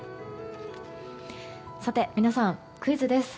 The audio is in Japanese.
さて皆さん、クイズです！